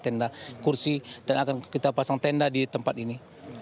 tenda kursi dan akan kita pasang tenda di tempat ini